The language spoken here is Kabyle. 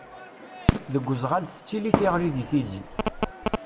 Deg uzɣal tettili tiɣli di Tizi.